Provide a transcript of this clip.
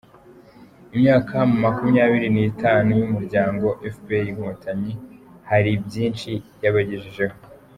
Imyaka makumyabiri nitanu y’umuryango efuperi Inkotanyi hari byinshi yabagejejeho